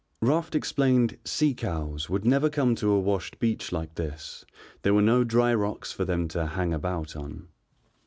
Raft explained "sea cows" would never come to a washed beach like this, there were no dry rocks for them to "hang about" on.